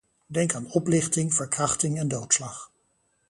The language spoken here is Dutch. Denk aan oplichting, verkrachting en doodslag.